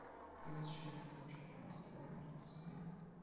Dieses Schild ist im Stephansdom in Wien zu sehen.